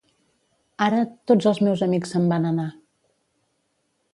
Ara, tots els meus amics se'n van anar